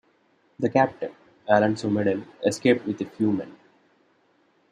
The Captain, Alonso Medel, escaped with a few men.